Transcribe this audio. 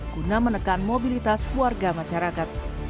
guna menekan mobilitas warga masyarakat